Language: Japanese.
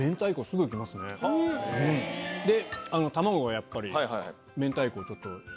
卵がやっぱり明太子をちょっと和らげて。